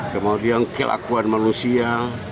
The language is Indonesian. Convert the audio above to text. kemudian kelakuan manusia